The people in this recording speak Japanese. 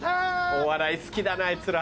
お笑い好きだなあいつら。